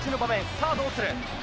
さあ、どうする。